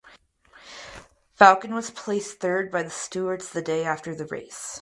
Falcon was placed third by the stewards the day after the race.